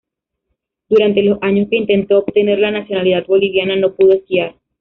Durante los años que intentó obtener la nacionalidad boliviana no pudo esquiar.